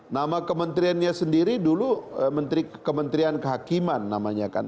nama kementeriannya sendiri dulu kementerian kehakiman namanya kan